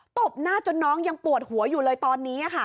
บหน้าจนน้องยังปวดหัวอยู่เลยตอนนี้